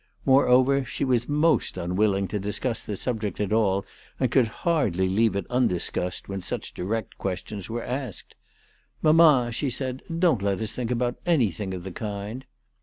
Moreover, she was most un willing to discuss the subject at all, and could hardly leave it undiscussed when such direct questions were asked. " Mamma," she said, "don't let us think about anything of the kind."